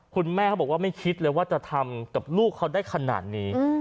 เขาบอกว่าไม่คิดเลยว่าจะทำกับลูกเขาได้ขนาดนี้